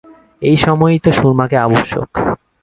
এই সময়েই তো সুরমাকে আবশ্যক।